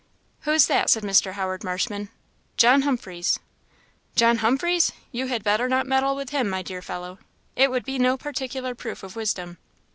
"Who's that?" said Mr. Howard Marshman. "John Humphreys." "John Humphreys! You had better not meddle with him, my dear fellow. It would be no particular proof of wisdom."